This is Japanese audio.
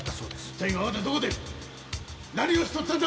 一体今までどこで何をしとったんだ！